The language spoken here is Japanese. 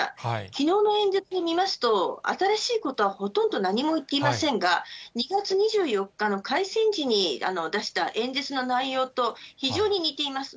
きのうの演説を見ますと、新しいことはほとんど何も言っていませんが、２月２４日の開戦時に出した演説の内容と非常に似ています。